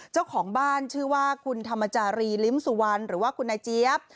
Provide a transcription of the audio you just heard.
เจ้าของบ้านชื่อว่าคุณธรรมจารีลิ้มสุวรรณหรือว่าคุณนายเจี๊ยบ